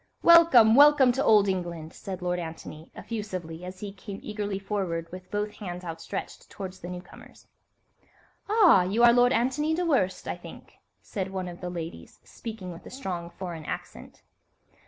"Welcome! Welcome to old England!" said Lord Antony, effusively, as he came eagerly forward with both hands outstretched towards the newcomers. "Ah, you are Lord Antony Dewhurst, I think," said one of the ladies, speaking with a strong foreign accent.